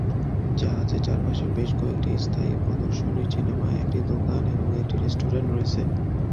জাহাজের চারপাশে বেশ কয়েকটি স্থায়ী প্রদর্শনী, সিনেমা, একটি দোকান এবং একটি রেস্টুরেন্ট রয়েছে।